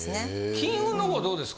金運のほうどうですか？